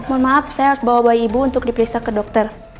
mohon maaf saya harus bawa bayi ibu untuk diperiksa ke dokter